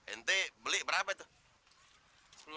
ente beli berapa itu